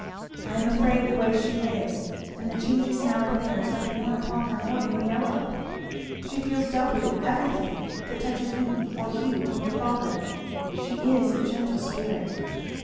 I am afraid the way she lives and the changes in our affairs have worn upon her more than we know of she feels doubly everything that touches me, or Hugh, or your father. She is a gentle spirit!